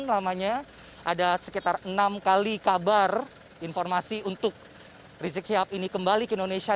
sebenarnya ada sekitar enam kali kabar informasi untuk rezekiah ini kembali ke indonesia